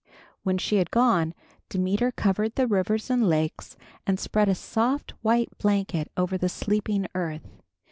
When she had gone, Demeter covered the rivers and lakes, and spread a soft white blanket over the sleeping earth.